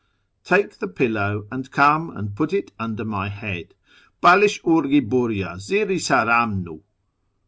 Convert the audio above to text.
Take the pillow and come and put it under m\' head — Bdlish iiirgi hilrya., zir i saram nu.